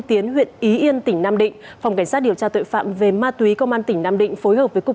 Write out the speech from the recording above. tỉnh nam định phòng cảnh sát điều tra tội phạm về ma túy công an tỉnh nam định phối hợp với cục